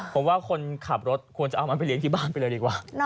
ผมว่าคนขับรถควรกลับไปเรียนขี่บ้านไปเลยดีกว่า